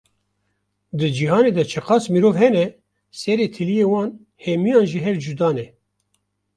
Di cîhanê de çiqas mirov hene, serê tiliyên wan hemiyan ji hev cuda ne!